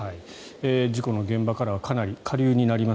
事故の現場からはかなり下流になります。